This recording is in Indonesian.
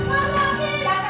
jorok banget sih